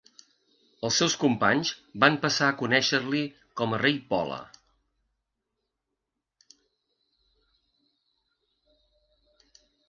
Els seus companys van passar a conèixer-li com a "Rei Pola".